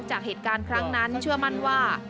จากเหตุการณ์ครั้งนั้นเชื่อมั่นว่า